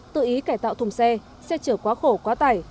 tự ý cải tạo thùng xe xe chở quá khổ quá tải